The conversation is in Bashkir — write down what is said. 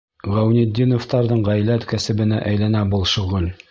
Ғәүнетдиновтарҙың ғаилә кәсебенә әйләнә был шөғөл.